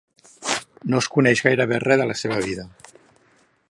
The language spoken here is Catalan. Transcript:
No es coneix gairebé res de la seva vida.